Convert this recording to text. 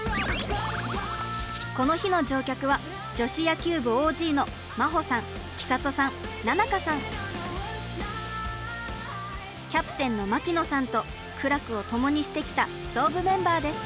この日の乗客は女子野球部ＯＧのキャプテンの牧野さんと苦楽を共にしてきた創部メンバーです。